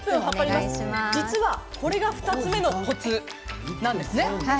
実はこれが２つ目のコツなんですね。